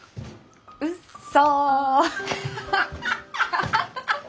うっそ！